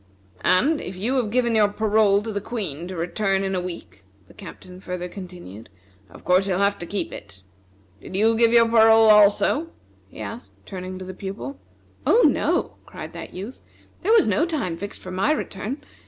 And if you have given your parole to the Queen to return in a week," the Captain further continued, "of course you'll have to keep it. Did you give your parole also?" he asked, turning to the Pupil. "Oh, no!" cried that youth; "there was no time fixed for my return.